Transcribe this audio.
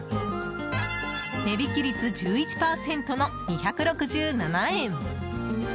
値引き率１１％の２６７円。